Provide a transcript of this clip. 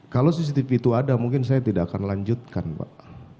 kalau cctv itu ada mungkin saya tidak akan lanjutkan pak